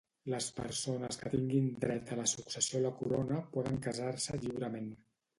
Les persones que tinguin dret a la successió a la Corona poden casar-se lliurement.